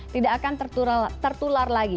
tidak akan tertular lagi